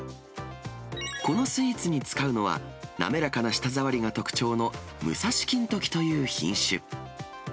このスイーツに使うのは、滑らかな舌触りが特徴のむさし金時という品種。